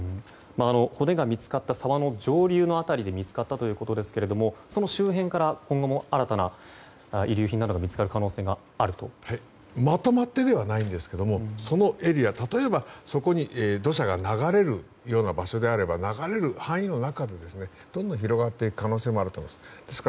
骨が見つかった沢の上流辺りで見つかったということですがその周辺から今後も新たな遺留品などがまとまってではないですがそのエリア、例えばそこに土砂が流れるような場所であれば流れる範囲の中で広がっていく可能性もあると思います。